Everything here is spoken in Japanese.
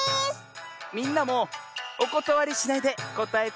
みんなもおことわりしないでこたえてよ。